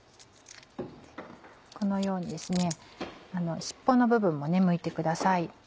このように尻尾の部分もむいてください。